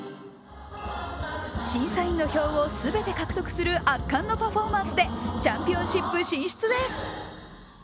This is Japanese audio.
審査員の票を全て獲得する圧巻のパフォーマンスでチャンピオンシップ進出です。